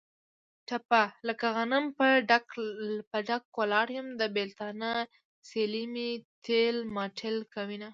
ټپه: لکه غنم په ډاګ ولاړ یم. د بېلتانه سیلۍ مې تېل ماټېل کوینه.